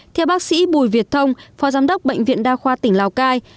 theo bác sĩ bùi việt thông phó giám đốc bệnh viện đa khoa tỉnh lào cai